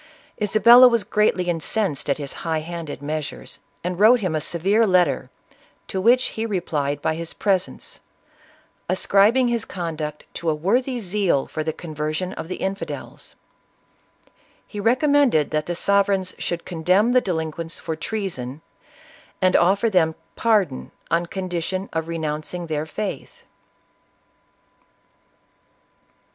Isabella was greatly incensed at his high handed measures, and wrote him a severe letter, to which he replied by his presence, ascribing his conduct to a wor thy zeal for the conversion of the infidels. He recom mended that the sovereigns should condemn the delin quents for treason ; and offer them pardon on condition of renouncing their faith.